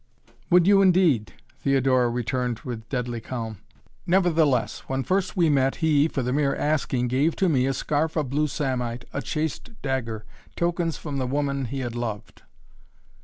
"Would you, indeed?" Theodora returned with a deadly calm. "Nevertheless, when first we met, he, for the mere asking, gave to me a scarf of blue samite, a chased dagger, tokens from the woman he had loved."